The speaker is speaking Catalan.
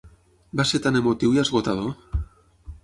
Va ser tan emotiu i esgotador.